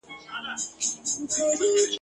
خو هغه و ښځه ته په سپکه سترګه ګوري